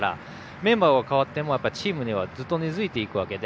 メンバーは変わってもやっぱりチームにはずっと根付いていくわけで。